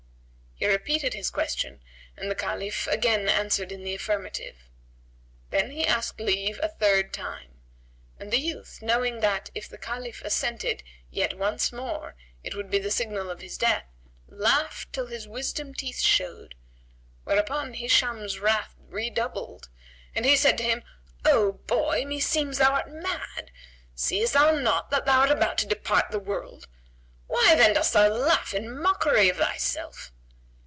He repeated his question and the Caliph again answered in the affirmative. Then he asked leave a third time; and the youth, knowing that, if the Caliph assented yet once more, it would be the signal of his death, laughed till his wisdom teeth showed; whereupon Hisham's wrath redoubled and he said to him, "O boy, meseems thou art mad; seest thou not that thou art about to depart the world? Why then dost thou laugh in mockery of thyself?"